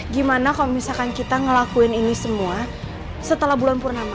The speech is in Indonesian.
gimana kalau misalkan kita ngelakuin ini semua setelah bulan purnama